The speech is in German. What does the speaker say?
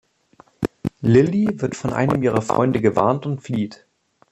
Lilly wird von einem ihrer Freunde gewarnt und flieht.